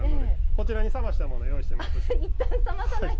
こちらに冷ましたもの用意しています。